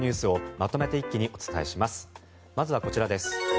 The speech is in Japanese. まずはこちらです。